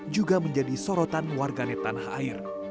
juga menjadi sorotan warganet tanah air